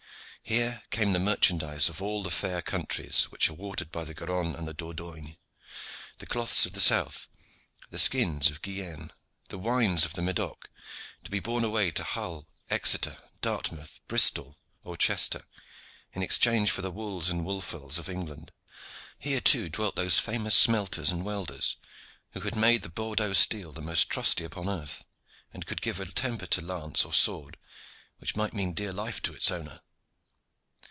Here came the merchandise of all the fair countries which are watered by the Garonne and the Dordogne the cloths of the south, the skins of Guienne, the wines of the Medoc to be borne away to Hull, Exeter, Dartmouth, Bristol or Chester, in exchange for the wools and woolfels of England. Here too dwelt those famous smelters and welders who had made the Bordeaux steel the most trusty upon earth, and could give a temper to lance or to sword which might mean dear life to its owner.